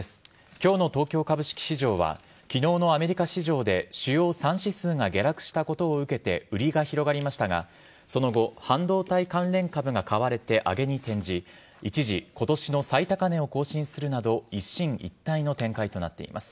今日の東京株式市場は昨日のアメリカ市場で主要３指数が下落したことを受けて売りが広がりましたがその後、半導体関連株が買われて上げに転じ一時今年の最高値を更新するなど一進一退の展開となっています。